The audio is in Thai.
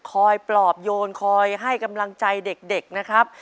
ปลอบโยนคอยให้กำลังใจเด็กนะครับ